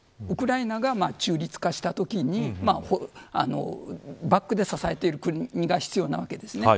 ウクライナが中立化したときにバックで支えている国が必要なわけです。